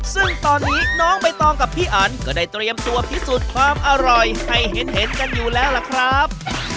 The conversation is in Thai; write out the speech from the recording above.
ซึ่งตอนนี้น้องใบตองกับพี่อันก็ได้เตรียมตัวพิสูจน์ความอร่อยให้เห็นกันอยู่แล้วล่ะครับ